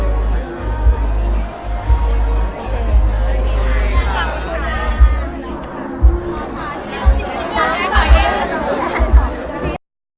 ไม่